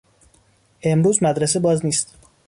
امروز مدرسه باز نیست.